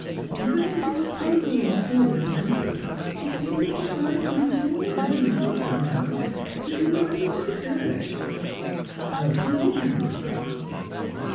And when he was three or four and twenty his people contrived to lose all their money somehow, and he went into the Church. Oh, here he comes.'